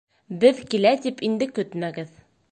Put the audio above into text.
Беҙ килә, тип инде көтмәгеҙ.